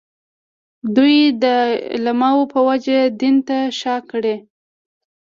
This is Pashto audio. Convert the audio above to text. دوی د اعمالو په وجه دین ته شا کړي.